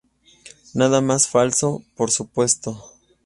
Nada más falso, por supuesto.